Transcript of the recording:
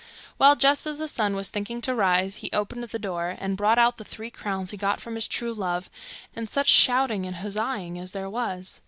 Well, just as the sun was thinking to rise, he opened the door, and brought out the three crowns he got from his true love, and such shouting and huzzaing as there was!